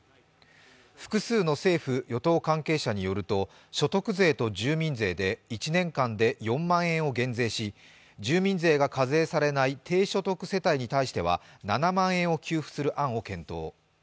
複数の政府・与党関係者によると、所得税と住民税で、１年間で４万円を減税し、住民税が課税されない低所得世帯に対しては７万円を給付する案を検討。